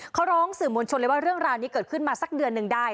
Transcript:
เขาร้องสื่อมวลชนเลยว่าเรื่องราวนี้เกิดขึ้นมาสักเดือนหนึ่งได้